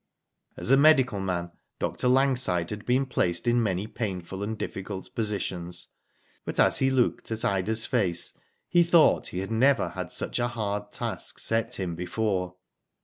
As a medical man Dr. Langside had been placed in many painful and difficult positions, but as he looked at Ida's face he thought he had never had such a hard task set him before.